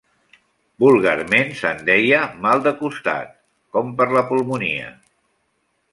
Vulgarment se'n deia mal de costat com per a la pulmonia.